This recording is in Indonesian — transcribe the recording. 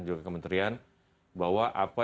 juga kementerian bahwa apa